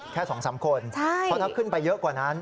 แค่๒๓คนเพราะถ้าขึ้นไปเยอะกว่านั้น